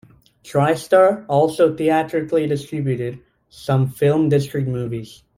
TriStar also theatrically distributed some FilmDistrict movies.